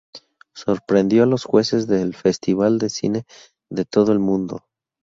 Sorprendió a los jueces del festival de cine de todo el mundo.